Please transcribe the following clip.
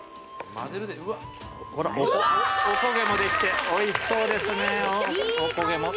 ほらおこげもできておいしそうですね